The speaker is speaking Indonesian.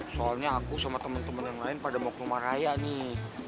soalnya aku sama teman teman yang lain pada mau ke rumah raya nih